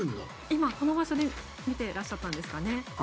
今、この場所で見ていらっしゃったんですかね。